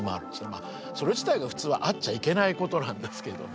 まあそれ自体が普通はあっちゃいけないことなんですけどね。